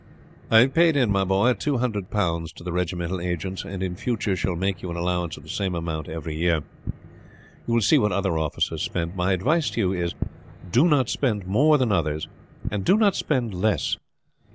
"I have paid in, my boy, two hundred pounds to the regimental agents, and in future shall make you an allowance of the same amount every year. You will see what other officers spend. My advice to you is: do not spend more than others, and do not spend less.